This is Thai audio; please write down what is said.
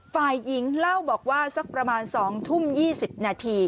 ฝ่ายหญิงเล่าบอกว่าสักประมาณ๒ทุ่ม๒๐นาที